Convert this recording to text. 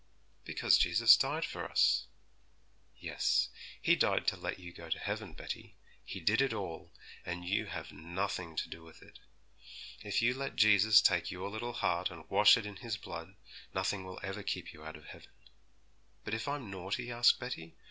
'Because Jesus died for us.' 'Yes, He died to let you go to heaven, Betty; He did it all, and you have nothing to do with it. If you let Jesus take your little heart and wash it in His blood, nothing will ever keep you out of heaven.' 'But if I'm naughty?' asked Betty.